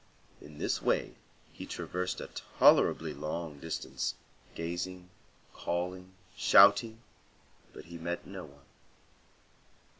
In this way he traversed a tolerably long distance, gazing, calling, shouting, but he met no one.